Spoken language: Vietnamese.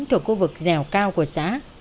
thuộc khu vực dẻo cao của xã